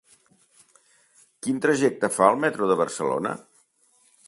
Quin trajecte fa el metro de Barcelona?